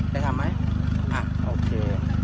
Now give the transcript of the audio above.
ได้ทำมั้ยอ่ะโอเค